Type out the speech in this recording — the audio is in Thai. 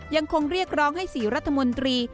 ยังคงเรียกร้องให้๔รัฐมนตรี